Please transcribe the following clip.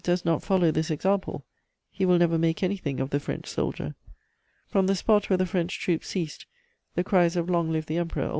does not follow this example, he will never make anything of the French soldier.'... "From the spot where the French troops ceased, the cries of 'Long live the Emperor!'